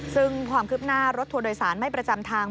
ซึ่งความคืบหน้ารถทัวร์โดยสารไม่ประจำทาง